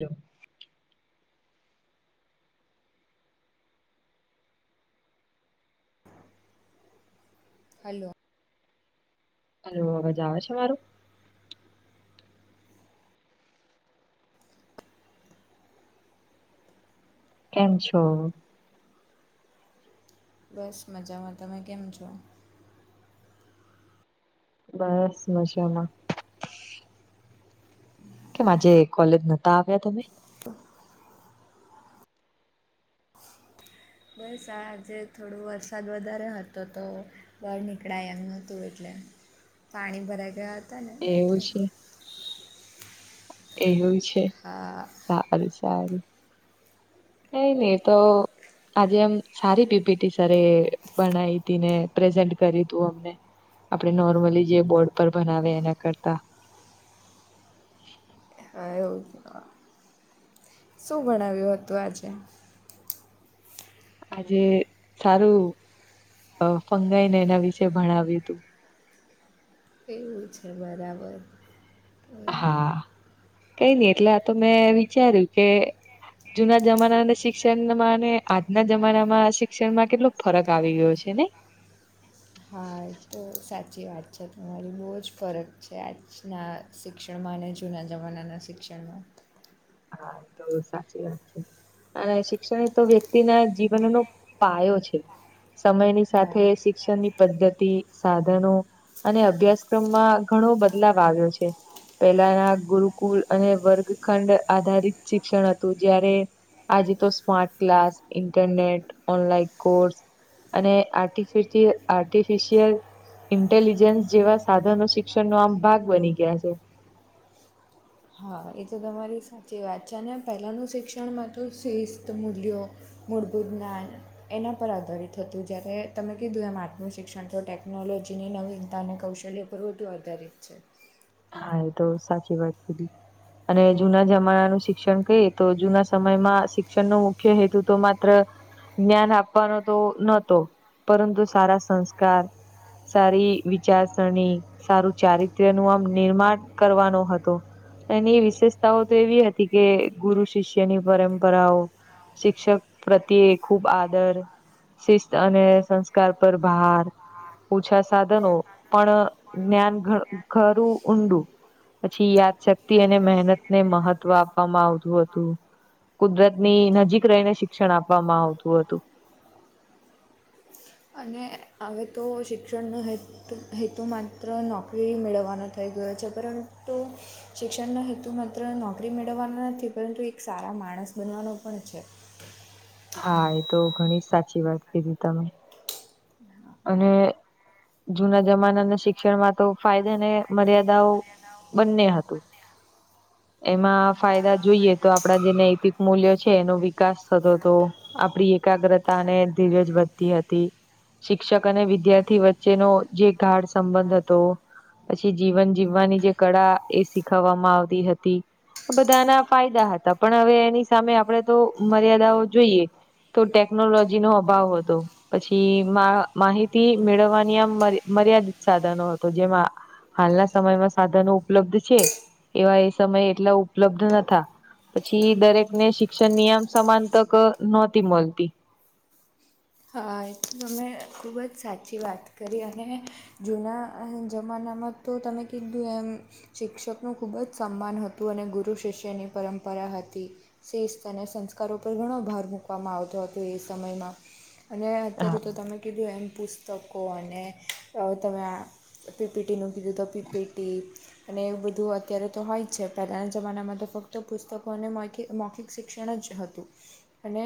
હ. હાલો. હ અવેજ આવે છે મારુ? કેમ છો? બસ મજામાં, તમે કેમ છો? બસ મજામાં. કેમ અજે કોલેજ નતા આવ્યા તમે? બસ આ આજે થોડો વરસાદ વધારે હતો તો ઘર નીકળ્યા એમ નતું એટલે પાણી ભરા ગયા હતા ને એવું એટલે. છે એવું છે? હા. સારું સારું. કઈ ની એ તો આજે એમ સારી પીપીટી સર બનાવી હતી ને પ્રેઝન્ટ કર તું અમને. આપણે નોર્મલી જે બોર્ડ પર બનાવે એના કરતા. [unintelligible] શું ભણાવ્યું હતું આજે? આજે સારું ફંગાઈને એના વિશે ભણાવ્યું હતું. એવું છે, બરાબર. એમ. હા, કઈ નઈ એટલે આ તો મેં વિચાર્યું કે જુના જમાનાના શિક્ષણમાં ને આજના જમાનામાં શિક્ષણમાં કેટલો ફરક આવી ગયો છે, ને? હા એતો તો સાચી વાત છે, તમારી બહુ જ ફરક છે, આજના શિક્ષણમાં અને જૂના જમાનાના શિ ક્ષણમાં. હા તો સાચી વાત છે. અને શિક્ષણ તો વ્યક્તિના જીવનનો પાયો છે. સમયની સાથે હા શિક્ષણની પદ્ધતિ, સાધનો અને અભ્યાસક્રમમાં ઘણો બદલાવ આવ્યો છે. પહેલાના ગુરુકુલ અને વર્ગ ખંડ આધારિત શિક્ષણ હતું જ્યારે આજ તો smart, class, internet online course અને આટ આર્ટિફિશિયલ ઇન્ટેલિજન્સ જેવા સાધનો શિક્ષણનો આમ ભાગ બની ગયા છે. હા એ તો તમારી સાચી વાત છે ને પહેલાંનું શિક્ષણમાં તો શિસ્ત, મૂલ્યો મુળબૂદના એના પર આધારિત હતું, જ્યારે તમે કીધું એમ આત્મ શિક્ષણ તો ટેકનોલોજીની નવીનતા અને કૌશલ્ય ઋતુ આધારિત છે હા, એ તો સાચી વાત કીધી. અને જુના જમાનાનું શિક્ષણ કહીએ, તો જુના સમયમાં શિક્ષણનો મુખ્ય હેતુ તો માત્ર જ્ઞાન આપવાનો તો નતો, પરંતુ સારા સંસ્કાર સારી વિચારસરણી, સારું ચારિત્ર્યનું આમ નિર્માણ કરવાનો હતો. એની વિશેષતાઓ તો એવી હતી કે ગુરુ શિષ્યની પરંપરાઓ શિક્ષક પ્રત્યે ખૂબ આદર શિસ્ત અને સંસ્કાર પર ભાર ઓછા સાધનો, પણ જ્ઞાન ઘ ઘરું ઊંડું, પછી યાદશક્તિ અને મહેનત ને મહત્વ આપવામાં આવતું હતું. કુદરતની નજીક રહીને શિક્ષણ આપવામાં આવતું હતું. અને અવે તો શિક્ષણનો હે હેતુ માત્ર નોકરી મેળવવાનો થઈ ગયો છે, પરંતુ શિક્ષણનો હેતુ માત્ર નોકરી મેળવવાનો નથી, પરંતુ એક સારા માણસ બનવાનો પણ છે. હા, એ તો ઘણી સાચી વાત કીધી તમે. હા હા અને જુના જમાનાના શિક્ષણમાં તો ફાયદા અને મર્યાદાઓ, બંને હતું. એમાં ફાયદા જોઈએ તો આપડા જે નૈતિક મૂલ્યો છે, એનો વિકાસ થતો તો, આપણી એકાગ્રતા અને ધીરજ વધતી હતી, શિક્ષક અને વિદ્યાર્થી વચ્ચેનો જે ગાઢ સંબંધ હતો, પછી જીવન જીવવાની જે કળા એ સીખવવામાં આવતી હતી, તી. બધાના ફાયદા હતા, પણ હવે એની સામે આપણેે તો મર્યાદાઓ જોઈએ, તો ટેકનોલોજી નો અભાવ હતો, પછી મા, માહિતી મેળવવાની આમ મર્યાદિત સાધનો હતો જેમાં આ હાલના સમયમાં સાધનો ઉપલબ્ધ છે, એવા એ સમયે એટલા ઉપલબ્ધ નતા. પછી દરેક ને શિક્ષણની આમ સમાન તક નહોતી મળતી. હા, એ તો અમે ખૂબ જ સાચી વાત કરી અને, જૂના અ જમાનામાં તો તમે કીધું, એમ શિક્ષકનું ખૂબ જ સન્માન હતું અને ગુરુ શિષ્યની પરંપરા હતી સિસ્થ અને સંસ્કારો પર ઘણો ભાર મૂકવામાં આવતો હતો એ સમયમાં. અને હા અત્યારે તો તમે કીધું એમ પુસ તકો અને તમે પીપીટીનું કીધું તો પીપીટી અને એ બધું અત્યારે તો હોય જ છે. પહેલાના જમાનામાં તો ફક્ત પુસ્તકોને મૈખિક, મૌખિક શિક્ષણ જ હતું અને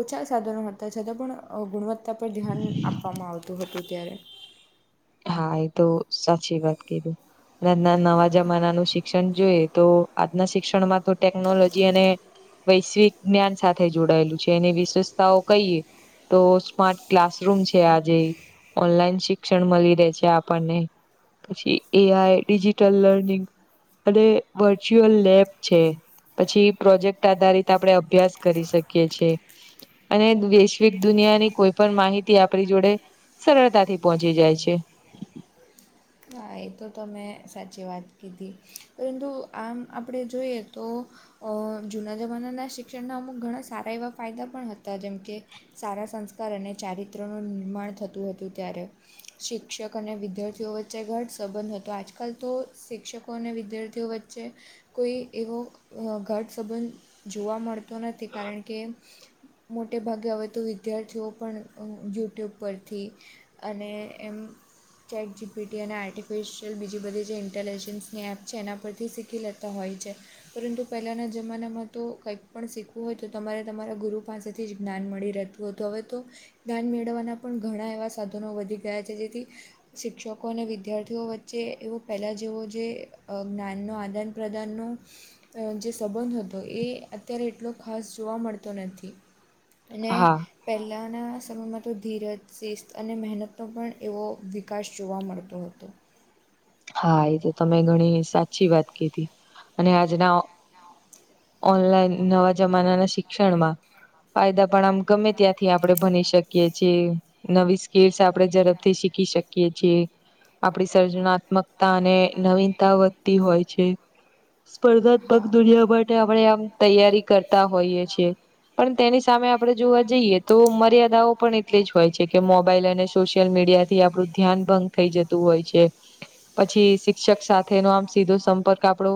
ઓછા સાધનો હતા છતાં પણ, ગુણવત્તા પર ધ્યાન આપવામાં આવતું હતું, ત્યારે હા, એ તો સાચી વાત કીધી. ના નનવા જમાનાનું શી ક્ષણ જોઈએ તો, આજના શિક્ષણમાં તો ટેકનોલોજી અને વૈશ્વિક જ્ઞાન સાથે જોડાયેલું છે. એની વિસેષતાઓ કહીએ તો સ્માર્ટ ક્લાસરૂમ છે આજે, ઓનલાઈન શિક્ષણ મલી છે આપણને, પછી એઆઈ, ડિજિટલ લર્નિંગ, અને વર્ચ્યુઅલ લેબ છે, પછી પ્રોજેક્ટ આધારિત આપણે અભ્યાસ કરી સકીએ છે. અને વૈશ્વિક દુનિયાની કોઈ પણ માહિતી આપણી જોડે સરળતાથી પહોંચી જાય છે. હા, એ તો તમેં સાચી વાત કીધી. પરંતુ આમ આપણે જોઈએ તો, અ જૂના જમાનાના શિક્ષણના અમુક ઘણા સારા એવા ફાયદા પણ હતા, જેમ કે સારા સંસ્કાર અને ચારિત્રનું નિર્માણ થતું હતું ત્યારે. શિક્ષક અને વિદ્યાર્થીઓ વચ્ વચ્ચે ઘઢ સંબંધ હતો. આજકાલ તો શિક્ષકો અને વિદ્યાર્થીઓ વચ્ચે કોઈ એવો ઘટ સંબંધ જોવા મળતો નથી. કારણ કે મોટે ભાગે હવે તો વિદ્યાર્થીઓ પણ યુટ્યુબ પરથી અને એમ ચેટ જી-' પીટી અને આર્ટિફિશિયલ બીજી બધી જે ઇન્ટેલિજન્સની એપ છે, એના પરથી શીખી લેતા હોય છે. પરંતુ પહેલાંના જમાનામાં તો, કંઈક પણ શીખવું હોય તો તમારે તમારા ગુરુ પાસેથી જ્ઞાન મળી રહે. હવે તો જ્ઞાન મેળવવાના પણ ઘણા એવા સાધનો વધી ગયા છે. જેથી શિક્ષકો લોકો અને વિદ્યાર્થીઓ વચ્ચે, એવો પહેલાં જેવો જે જ્ઞાનનો આદાન પ્રદાનનો જે સંબંધ હતો, એ અત્યારે એટલો ખાસ જોવા મળતો નથી. અને. હા પહેલાંના સમયમાં તો ધીરજ શિસ્ત અને મહેનતનો પણ એવો વિકાસ જોવા મળતો હતો. હા! એ તો તમે ઘણી સાચી વાત કધી. અને આજના ઓનલાઈન નવા જમાનાના શિક્ષણમાં ફાયદા પણ આમ ગમે ત્યાંથી આપણે ભની શકીએ નવી સ્કીલ્સ આપણેે ઝડપથી શીખી શકીએ છીએ આપડી સર્જનાત્મકતા અને નવીનતા વધતી હોય છે. સ્પર્ધાત્મક હા દુનિયા માટે આપણે આમ તૈયારી કરતા હોઈએ છીએ. પણ તેની સામે આપણે જોવા જઈએ તો, મર્યાદાઓ પણ એટલી જ હોય છે. કે મોબાઈલ અને સોશિયલ મીડિયા-' થી આપણું ધ્યાન ભંગ થઈ જતું હોય છે. પછી શિક્ષક સાથેનો આમ સીધો સંપર્ક આપણો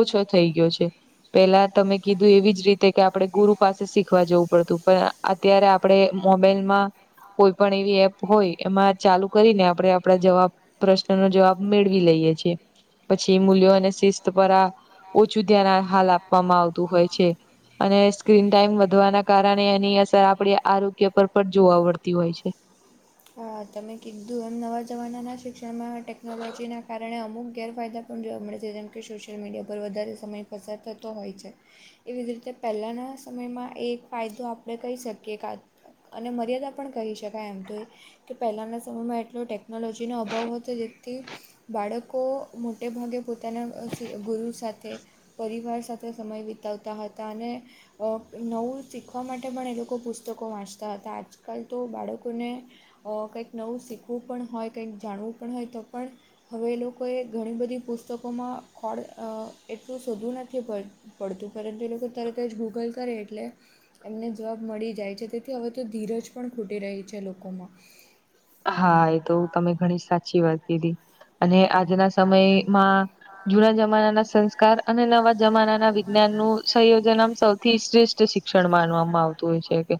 ઓછો થઈ ગયો છે. પેલા તમે કીધું એવી જ રીતે કે આપણે ગુરુ પાસે શીખવા જવું પડતું. પણ અત્યારે આપડે મોબાઈલ માં કોઈ પણ એવી એપ હોય, એમાં ચાલુ કરીને આપણેે આપડા જવાબ પ્રશ્ન ન જવાબ મેળવી લઈએ છીએ પછી મૂલ્યો અને શિસ્ત પર આ ઓછું ધ્યાન હાલ આપવામાં આવતું હોય છે. અને સ્ક્રીન ટાાઈમ વધવાના કારણે, એની અસર આપડી આરોગ્ય પર પણ જોવા મળડતી હોય છે. તમે કીધું એમ નવા જમાનાના શિક્ષણમાં ટેકનોલોજીના કારણે અમુક ગેરફાયદા પણ જોવા મળે છે. જેમ કે સોશિયલ મીડિયા પર વધારે સમય પસાર થતો હોય છે. એવી જ રીતે પહેલાના સમયમાં એક ફાયદો આપણે કહી શકીએ અને મર્યાદા પણ કહી શકાય એમ તો એ કે પહેલાંના સમયમાં એટલો ટેકનોલોજીનો અભાવ હતો. જેથી બાળકો મોટે ભાગે પોતાના ગુરુ સાથે પરિવાર સાથે સમય વિતાવતા હતા. અને નવું શીખવા માટે, પણ એ લોકો પુસ્તકો વાંચતા હતા. આજકાલ તો બાળકોને કંઈક નવું શીખવું પણ હોય, કંઈક જાણવું પણ હોય તો પણ હવે એ લોકોએ ઘણી બધી પુસ્તકોમાં ખોળ એટલું શોધવું નથી પડતુ પડતું. પરંત એ લોકો તરત જ ગૂગલ કરે એટલે એમને જવાબ મળી જાય છે. તેથી હવે તો ધીરજ પણ ખૂટી રહી છે લોકોમાં હા! એ તો તમે ઘણી સાચી વાત કીધી. અને આજના સમયમાં જૂના જમાના ના સંસ્કાર અને નવા જમાના ના વિજ્ઞાન નું સંયોજન આમ સૌથી શ્રેષ્ઠ શ શિક્ષણ માનવામાં આવતું હોય છે. કે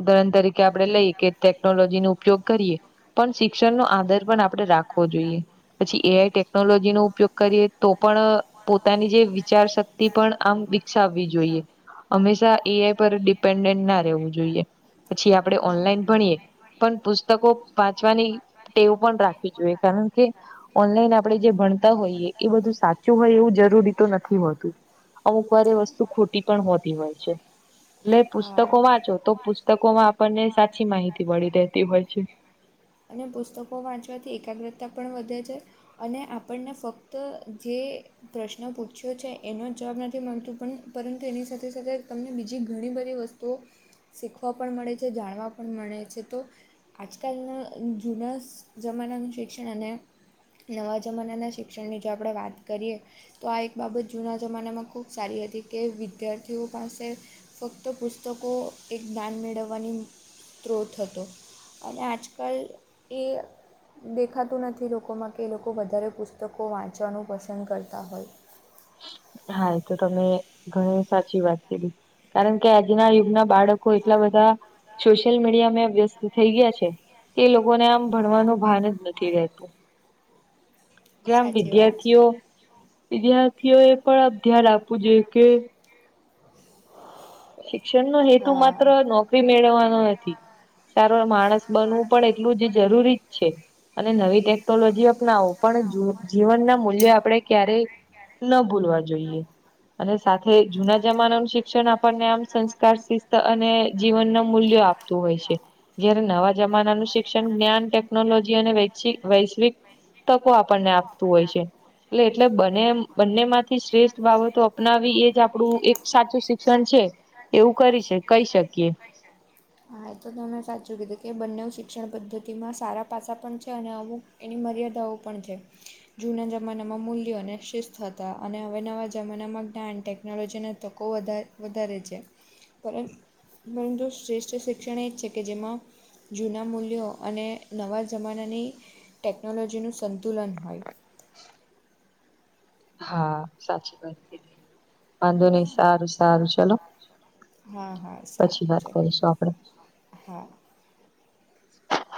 ઉદાહરણ તરીકે આપડણે લઈએ કે ટેકનોલોજી ન ઉપયોગ કરીએ પણ શિક્ષણ ન આધાર પણ આપણેે રાખવો જોઈએ. પછી એઆઈ ટેકનોલોજી નો ઉપયોગ કરીએ તો પણ પોતાની જે વિચાર શક્તિ પણ આમ વિકસાવવી જોઈએ. હંમેશા એઆઈ પર ડિપેન્ડન્ટ ના રહેવું જોઈએ. પછી આપણે ઓનલાઈન ભણીએ પણ પુસ્તકો વાંચવાની ટેવું પણ રાખવી જોઈએ. કારણ કે ઓનલાઈન આપણે જે ભણતા હોઈએ એ બધું સાચું હોય એવું જરૂરી તો નથી હોતું. અમુક વાર વસ્તુ ખોટી પણ હોતી હોય છે. એટલે હા પુસ્તકો વાંચો તો પુસ્તકો માં આપણને સાચી માહિતી મળી રહેેતી હોય છે. છે. અને પુસ્તકો વાંચવાથી એકાગ્રતા પણ વધે છે. અને આપણને ફક્ત જે પ્રશ્ન પૂછ્યો છે એનો જવાબ નથી મળતું પણ પરંતુ એની સાથે સાથે તમને બીજી ઘણી બધી વસ્તુ તો શીખવા પણ મળે છે જાણવા પણ મળે છે તો આજકાલના જૂના જમાનાનું શિક્ષણ અને નવા જમાનાના શિક્ષણની જો આપણે વાત કરીએ તો આ એક બાબત જૂના જમાનામાં ખૂબ સારી હતી કે વિદ્યાર્થીઓ પાસે ફક્ત પુસ્તકો એક જ્ઞાન મેળવવાની સ્ત્રોત હતો અને આજ કલ એ દેખાતું નથી લોકોમાં કે એ લોકો વધારે પુસ્તકો વાંચવાનું પસંદ કરતા હોય. હા એ તો તમે ઘણી સાચી વાત કીધી. કારણ કે આજના યુગના બાળકો એટલાં બધાં સોશિયલ મીડિયા મે વ્યસ્ત થઇ ગયા છે. એ લોકોને આમ ભણવાનું ભાન જ નથી રહેતું. જેમ સાચી વાત વિદ્યાર્થીઓ છે વિદ્યાર્થીઓ એ પણ ધ્યાન આપવું જોઈએ કે શિક્ષણ નો હેતુ માત્ર હા નોકરી મેળવવાનો નથી. સારો માણસ બનવું પણ એટલું જ જરૂરી જ છે અને નવી ટે ટલોજી અપનાવો પણ જીવનનાં મૂલ્ય આપણે ક્યારેય ન ભુલવા જોઈએ અને સાથે જૂના જમાનાનું શિક્ષણ આપ આપણને આમ સંસ્કાર શિસ્ત અને જીવન ને મૂલ્યો આપતું હોય છે. જયારે નવા જમાનાનું શિક્ષણ જ્ઞાન ટેકનોલોજી અને વે શિક વૈશ્વિક તકો આપણને આપતું હોય છે. એટલે એટલે બને એમ બંને માંથી શ્રેષ્ઠ બાબતો અપનાવી એ જ આપણું એક સાચું શ શિક્ષણ છે એવું કરી કહી શકીએ. હાચો તમે સાચું કીધું કે બંને શિક્ષણ પદ્ધતિમાં સારા પાછા પણ છે અને અમુક એની મર્યાદાઓ પણ છે. જૂના જમાનામાં મૂલ્યો અને શિસ્ત હતા અને હવે નવા જમાનામાં જ્ઞાન ટેકનોલોજીના તકો વધારે વધારે છે પર પરંતુ શ્રેષ્ઠ શિક્ષણ એ જ છે કે જેમાં જૂના મૂલ્યો અને નવા જમાનાની ટેકનોલોજીનું સંતુલન હોય. હા સાચી વાત કીધી. વાંધો નહી સારું સારું ચલો હ હા હા પછી સારું વાત ચાલો. કરીશું આપડે. હા. હ [inaudible]